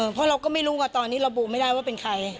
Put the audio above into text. เพราะเราก็ไม่รู้ว่าตอนนี้ระบุไม่ได้ว่าเป็นใคร